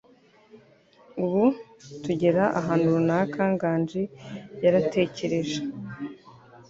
Ubu tugera ahantu runaka, Nganji yaratekereje.